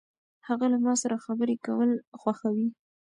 هغه له ما سره خبرې کول خوښوي.